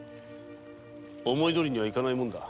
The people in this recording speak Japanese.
思いどおりにはゆかぬものだ。